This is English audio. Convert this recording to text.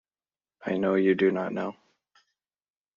I know you do not know.